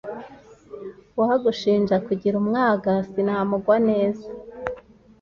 Uwagushinja kugira umwaga sinamugwa neza